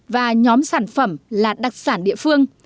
và nhóm sản phẩm là đặc sản địa phương